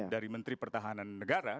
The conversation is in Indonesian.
dari menteri pertahanan negara